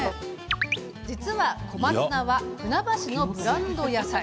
実は小松菜は船橋のブランド野菜。